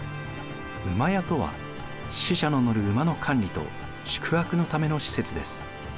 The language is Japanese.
駅家とは使者の乗る馬の管理と宿泊のための施設です。